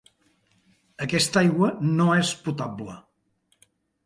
Aquesta aigua no és potable.